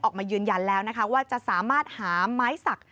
ออกมายืนยันแล้วนะคะว่าจะสามารถหาไม้สัก